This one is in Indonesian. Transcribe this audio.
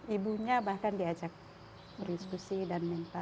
ibunya bahkan diajak berdiskusi dan minta